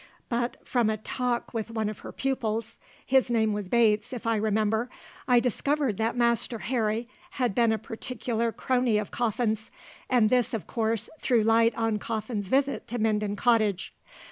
But from a talk with one of her pupils his name was Bates, if I remember I discovered that Master Harry had been a particular crony of Coffin's, and this, of course, threw light on Coffin's visit to Minden Cottage.